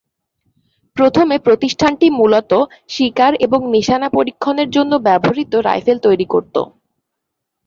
প্রথমে প্রতিষ্ঠানটি মূলত শিকার এবং নিশানা পরীক্ষণের জন্য ব্যবহৃত রাইফেল তৈরি করতো।